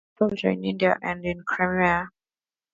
He served as a soldier in India and the Crimea.